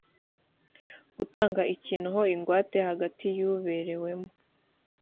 gutanga ikintu ho ingwate hagati y uberewemo